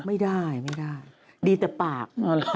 ไม่ได้ดีแต่ปาก